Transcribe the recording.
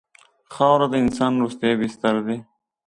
خاوره د انسان وروستی بستر دی.